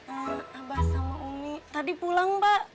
abah sama umi tadi pulang pak